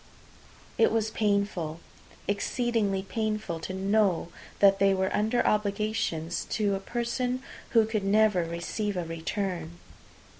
It was painful, exceedingly painful, to know that they were under obligations to a person who could never receive a return.